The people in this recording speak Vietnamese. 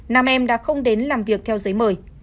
nam em đã không đến làm việc theo giấy mời